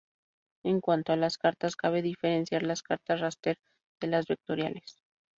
En cuanto a las cartas, cabe diferenciar las cartas ""raster""de las ""vectoriales"".